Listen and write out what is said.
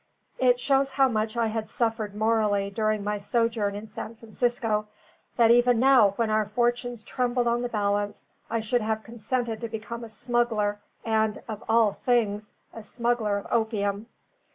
It shows how much I had suffered morally during my sojourn in San Francisco, that even now when our fortunes trembled in the balance, I should have consented to become a smuggler and (of all things) a smuggler of opium.